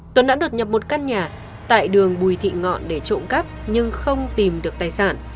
tuấn đã đột nhập một căn nhà tại đường bùi thị ngọn để trộm cắp nhưng không tìm được tài sản